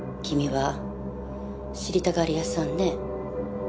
君は知りたがり屋さんね。